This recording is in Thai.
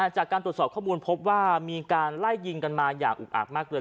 จากการตรวจสอบข้อมูลพบว่ามีการไล่ยิงกันมาอย่างอุกอักมากเลย